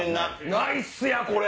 ナイスやこれ。